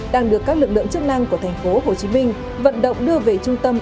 đang được các lực lượng chức năng của thành phố hồ chí minh vận động đưa về trung tâm